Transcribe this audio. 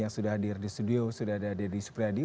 yang sudah hadir di studio sudah ada deddy supriyadi